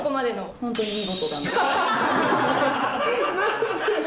本当に見事だなと。